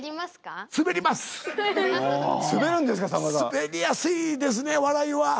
スベりやすいですね笑いは。